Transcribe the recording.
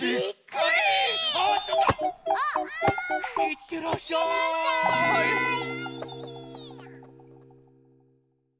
いってらっしゃい。